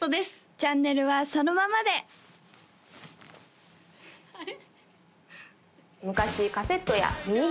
チャンネルはそのままであれ？